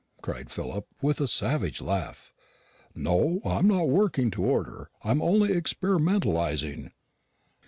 cried Philip, with a savage laugh. "No, I'm not working to order; I'm only experimentalising."